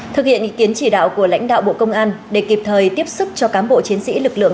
thực hiện ý kiến chỉ đạo của lãnh đạo bộ công an để kịp thời tiếp xúc cho cán bộ chiến sĩ lực lượng